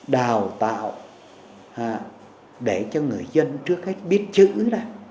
đào tạo để cho người dân trước hết biết chữ đó